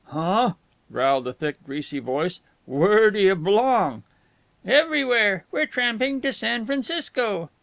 "Huh?" growled a thick, greasy voice. "Where d'yuh belong?" "Everywhere. We're tramping to San Francisco."